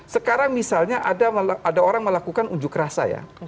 sekarang misalnya ada orang melakukan unjuk rasa ya